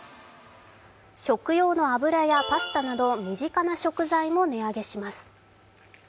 食用の油やパスタなど身近な食材も値上げします。